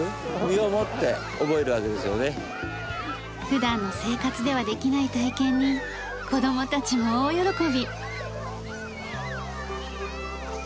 普段の生活ではできない体験に子供たちも大喜び。